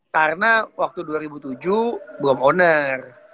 karena waktu dua ribu tujuh belum owner